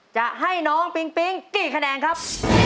จะให้น้องปิ๊งปิ๊งกี่คะแนนครับ